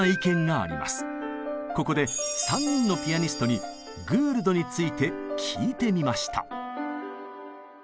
ここで３人のピアニストにグールドについて聞いてみました。